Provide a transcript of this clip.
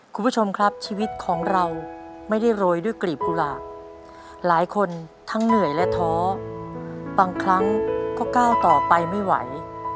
คุณผู้ชมครับชีวิตของเราไม่ได้โรยด้วยกลีบกุหลาบหลายคนทั้งเหนื่อยและท้อบางครั้งก็ก้าวต่อไปไม่ไหว